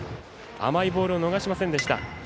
甘いボールを逃しませんでした。